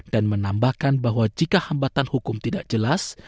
dan menambahkan bahwa jika hambatan hukum tidak jelas